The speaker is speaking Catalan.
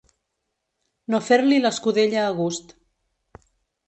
No fer-li l'escudella a gust.